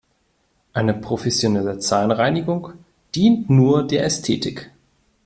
Eine professionelle Zahnreinigung dient nur der Ästhetik.